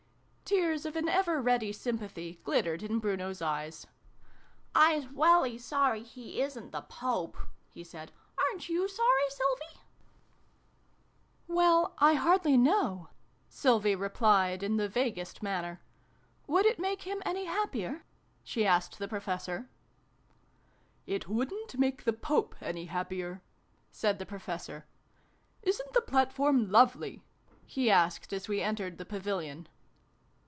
Tears of an ever ready sympathy glittered in Bruno's eyes. " Ps welly sorry he isn't the Pope !" he said. " Aren't you sorry, Sylvie ?" "Well 1 hardly know," Sylvie replied in the vaguest manner. " Would it make him any happier ?" she asked the Professor. "It wouldn't make the Pope any happier," said the Professor. " Isn't the platform lovely ?" he asked, as we entered the Pavilion.